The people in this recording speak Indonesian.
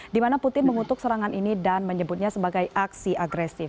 di mana putin mengutuk serangan ini dan menyebutnya sebagai aksi agresif